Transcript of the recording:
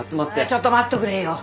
ちょっと待っとくれよ。